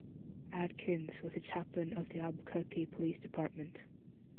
Adkins was the chaplain of the Albuquerque Police Department.